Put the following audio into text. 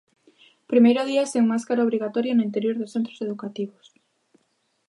Primeiro día sen máscara obrigatoria no interior dos centros educativos.